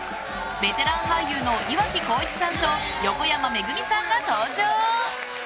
ベテラン俳優の岩城滉一さんと横山めぐみさんが登場。